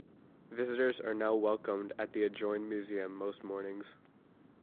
Visitors are now welcomed at the adjoined museum most mornings.